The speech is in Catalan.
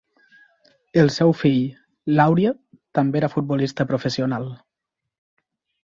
El seu fill, Laurie, també era futbolista professional.